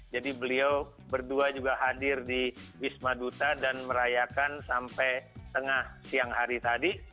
jadi beliau berdua juga hadir di bismaduta dan merayakan sampai tengah siang hari tadi